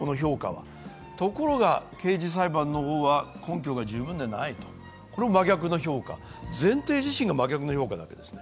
ところが、刑事裁判の方は根拠が十分ではないと、前提自身が真逆の評価なわけですね。